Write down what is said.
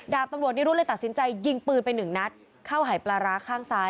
ดาบตำรวจนิรุธเลยตัดสินใจยิงปืนไปหนึ่งนัดเข้าหายปลาร้าข้างซ้าย